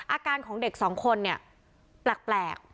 อาการของเด็กสองคนเนี่ยแปลก